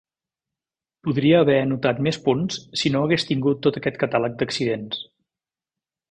Podria haver anotat més punts si no hagués tingut tot aquest catàleg d'accidents.